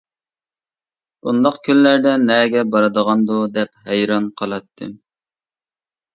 بۇنداق كۈنلەردە نەگە بارىدىغاندۇ دەپ ھەيران قالاتتىم.